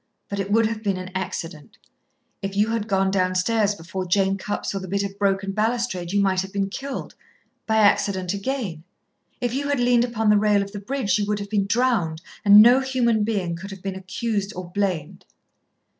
But it would have been an accident. If you had gone downstairs before Jane Cupp saw the bit of broken balustrade you might have been killed by accident again. If you had leaned upon the rail of the bridge you would have been drowned, and no human being could have been accused or blamed."